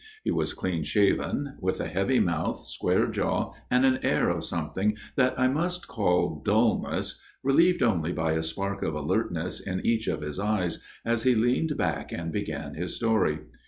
He was clean shaven ; with a heavy mouth, square jaw, and an air of something that I must call dulness, relieved only by a spark of alertness in each of his eyes, as he leaned back and began his story.